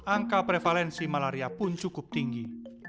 angka prevalensi malaria pun cukup tinggi